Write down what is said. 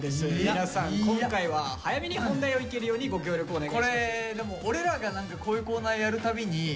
皆さん今回は早めに本題をいけるようにご協力お願いします。